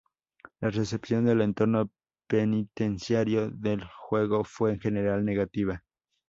La recepción del entorno penitenciario del juego fue en general negativa.